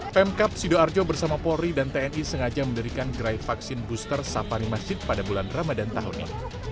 pemkap sidoarjo bersama polri dan tni sengaja mendirikan gerai vaksin booster safari masjid pada bulan ramadan tahun ini